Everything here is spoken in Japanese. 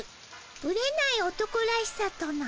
ぶれない男らしさとな。